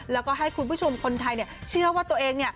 แล้วก็ให้คุณผู้ชมคนไทยเชื่อว่าตัวเอง